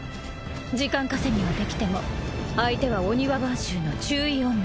時間稼ぎはできても相手は御庭番衆の中位隠密。